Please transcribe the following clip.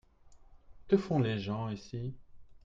Que font les gens ici ?